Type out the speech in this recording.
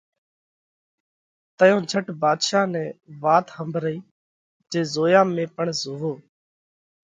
تئيون جھٽ ڀاڌشا نئہ وات ۿمڀرئِي جي زويا ۾ پڻ زووَو۔